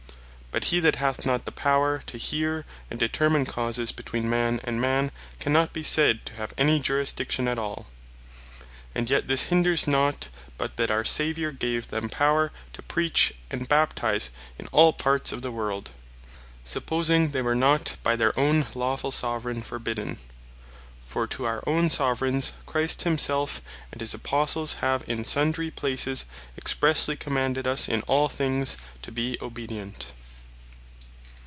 But hee that hath not the Power to hear, and determine Causes between man and man, cannot be said to have any Jurisdiction at all. And yet this hinders not, but that our Saviour gave them Power to Preach and Baptize in all parts of the world, supposing they were not by their own lawfull Soveraign forbidden: For to our own Soveraigns Christ himself, and his Apostles have in sundry places expressely commanded us in all things to be obedient.